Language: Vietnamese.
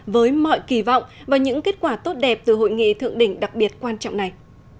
với mọi kỳ vọng và những kết quả tốt đẹp từ hội nghị thượng đỉnh đặc biệt quan trọng này